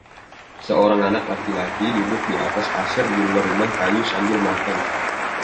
Seorang anak laki-laki duduk di atas pasir di luar rumah kayu sambil makan.